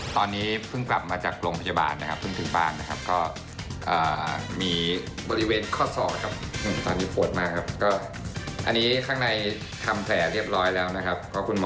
ตอนนี้พึ่งกลับมาจากโรงพยาบาลนะครับ